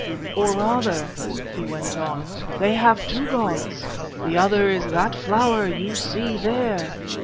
Or rather," he went on, "they have two gods. The other is that flower you see there.